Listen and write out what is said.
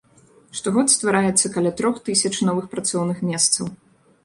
Штогод ствараецца каля трох тысяч новых працоўных месцаў.